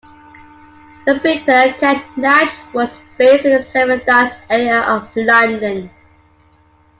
The printer, Catnach, was based in the Seven Dials area of London.